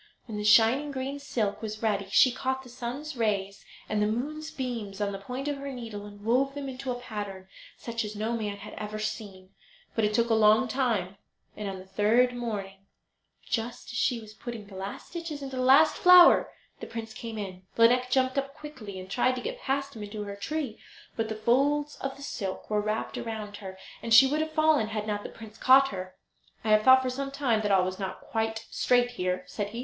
When the shining green silk was ready she caught the sun's rays and the moon's beams on the point of her needle and wove them into a pattern such as no man had ever seen. But it took a long time, and on the third morning, just as she was putting the last stitches into the last flower the prince came in. Lineik jumped up quickly, and tried to get past him back to her tree; but the folds of the silk were wrapped round her, and she would have fallen had not the prince caught her. "I have thought for some time that all was not quite straight here," said he.